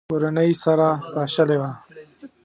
کورنۍ یې سره پاشلې وه.